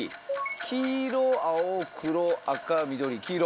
黄色青黒赤緑黄色。